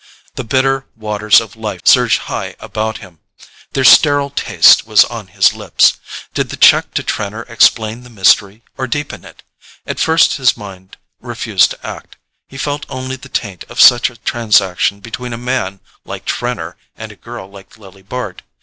The bitter waters of life surged high about him, their sterile taste was on his lips. Did the cheque to Trenor explain the mystery or deepen it? At first his mind refused to act—he felt only the taint of such a transaction between a man like Trenor and a girl like Lily Bart.